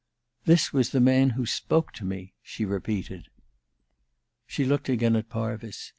"This was the man who spoke to me," she repeated. She looked again at Parvis.